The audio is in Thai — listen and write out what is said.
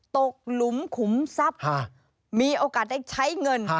หลุมขุมทรัพย์มีโอกาสได้ใช้เงิน